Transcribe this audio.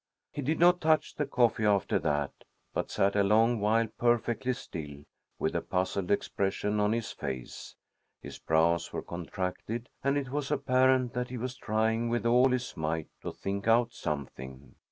He did not touch the coffee after that, but sat a long while, perfectly still, with a puzzled expression on his face. His brows were contracted, and it was apparent that he was trying with all his might to think out something.